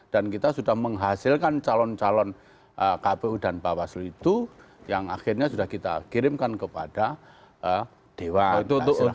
kita sudah menghasilkan calon calon kpu dan bawaslu itu yang akhirnya sudah kita kirimkan kepada dewan